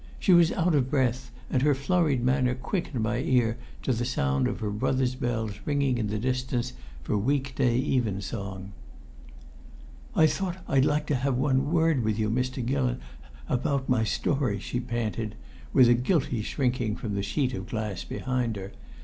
She was out of breath, and her flurried manner quickened my ear to the sound of her brother's bells ringing in the distance for week day evensong. "I thought I'd like to have one word with you, Mr. Gillon, about my story," she panted, with a guilty shrinking from the sheet of glass behind her.